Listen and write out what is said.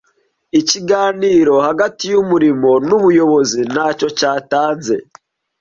Ikiganiro hagati yumurimo nubuyobozi ntacyo cyatanze.